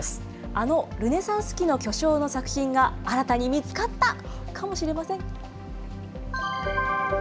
あのルネサンス期の巨匠の作品が新たに見つかったかもしれません。